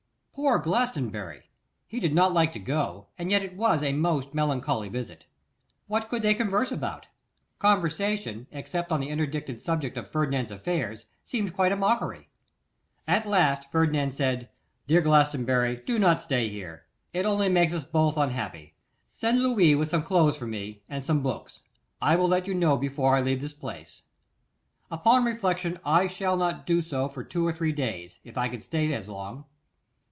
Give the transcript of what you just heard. Poor Glastonbury, he did not like to go, and yet it was a most melancholy visit. What could they converse about? Conversation, except on the interdicted subject of Ferdinand's affairs, seemed quite a mockery. At last, Ferdinand said, 'Dear Glastonbury, do not stay here; it only makes us both unhappy. Send Louis with some clothes for me, and some books. I will let you know before I leave this place. Upon reflection, I shall not do so for two or three days, if I can stay as long.